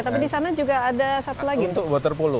tapi di sana juga ada satu lagi untuk water polu